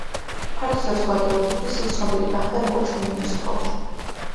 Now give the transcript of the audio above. ფართო საზოგადოებისთვის ის ცნობილი გახდა, როგორც გენიოსი ბავშვი.